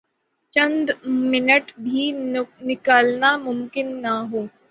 چند منٹ بھی نکالنا ممکن نہ ہوں۔